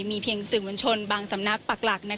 มีเพียงสื่อมวลชนบางสำนักปักหลัก